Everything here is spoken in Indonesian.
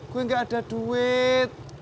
gue gak ada duit